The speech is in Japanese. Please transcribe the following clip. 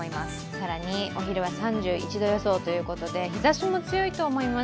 更にお昼は３１度予想ということで日ざしも強いと思います。